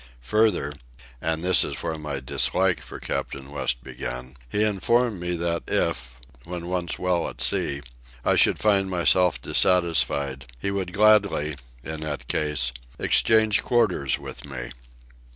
Further—and here is where my dislike for Captain West began—he informed me that if, when once well at sea, I should find myself dissatisfied, he would gladly, in that case, exchange quarters with me.